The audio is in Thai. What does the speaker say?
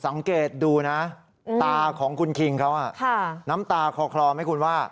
สังเกตดูนะตาของคุณคิงเขาน้ำตาคลอไหมคุณว่า